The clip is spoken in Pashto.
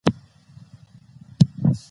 دا ليکوال په خپلو ليکنو کي حقايق بيان کړي دي.